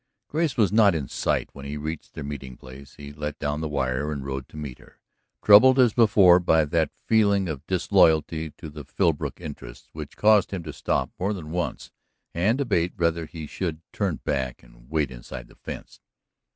Grace was not in sight when he reached their meeting place. He let down the wire and rode to meet her, troubled as before by that feeling of disloyalty to the Philbrook interests which caused him to stop more than once and debate whether he should turn back and wait inside the fence.